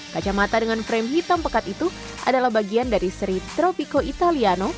kacamata dengan frame hitam pekat itu adalah bagian dari seri tropiko italiano